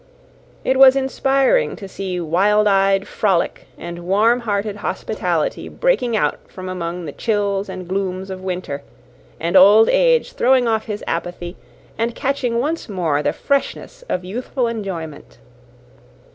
It was inspiring to see wild eyed frolic and warm hearted hospitality breaking out from among the chills and glooms of winter, and old age throwing off his apathy, and catching once more the freshness of youthful enjoyment.